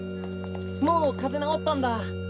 もう風邪治ったんだ。